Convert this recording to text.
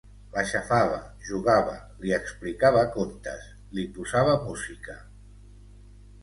L'aixafava, jugava, li explicava contes, li posava música...